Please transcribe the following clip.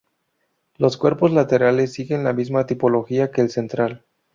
Los cuerpos laterales siguen la misma tipología que el central.